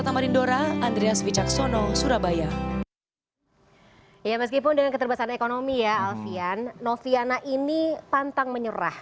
meskipun dengan keterbasan ekonomi ya alvian noviana ini pantang menyerah